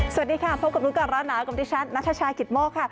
สวัสดีค่ะพบกับลูกการณ์ร้านหนากรรมดิชันนัทชาชาขิตโม่ค่ะ